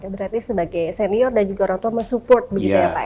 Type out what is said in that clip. berarti sebagai senior dan juga orang tua mensupport begitu ya pak ya